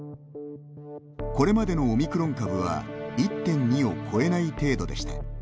これまでのオミクロン株は１．２を超えない程度でした。